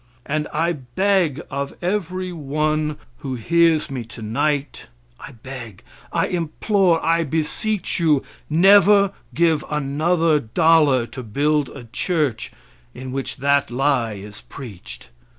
And I beg of every one who hears me tonight, I beg, I implore, I beseech you never give another dollar to build a church in which that lie is preached.